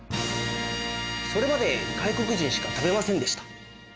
それまで外国人しか食べませんでした。